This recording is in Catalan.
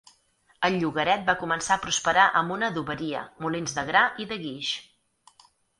El llogaret va començar a prosperar amb una adoberia, molins de gra i de guix.